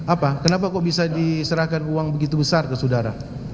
apa kenapa kok bisa diserahkan uang begitu besar ke saudara